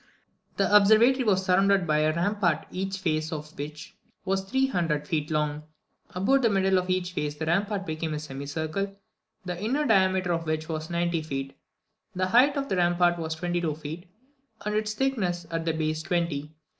The observatory was surrounded by a rampart, each face of which was three hundred feet long. About the middle of each face the rampart became a semicircle, the inner diameter of which was ninety feet. The height of the rampart was twenty two feet, and its thickness at the base twenty.